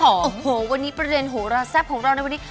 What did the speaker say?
โอ้โหวันนี้ประเด็นโหราแซ่บของเราในวันนี้